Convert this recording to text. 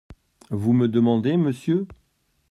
Vous me demandez, monsieur ?